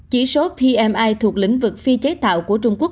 chỉ số pmi thuộc lĩnh vực phi chế tạo của trung quốc